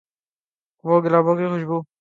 وہ گلابوں کی خوشبو سے بھرا ہوا ہے۔